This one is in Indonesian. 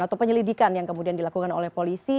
atau penyelidikan yang kemudian dilakukan oleh polisi